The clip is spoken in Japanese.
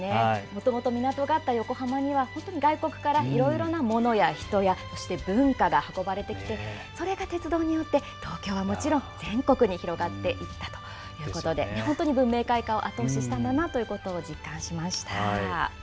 もともと港があった横浜には本当に外国からいろいろなモノや人が、そして文化が運ばれてきてそれが鉄道によって東京はもちろん、全国へ広がっていたということで文明開化を後押ししたんだなということを実感しました。